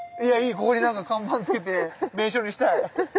ここに何か看板つけて名所にしたい。